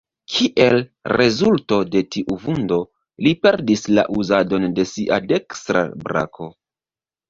Kiel rezulto de tiu vundo, li perdis la uzadon de sia dekstra brako.